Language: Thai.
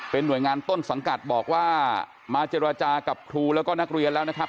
หน่วยงานต้นสังกัดบอกว่ามาเจรจากับครูแล้วก็นักเรียนแล้วนะครับ